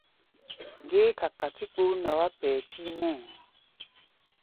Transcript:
Géé kakatí kpoo nɛ wá pɛɛ píínɛ́ʼɛ!